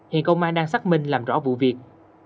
hiện công an đang xác minh làm rõ vụ việc